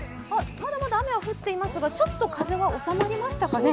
まだまだ雨は降っていますがちょっと風は収まりましたかね。